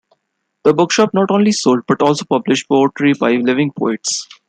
The Bookshop not only sold, but also published, poetry by living poets.